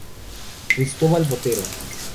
Cristobal Botero.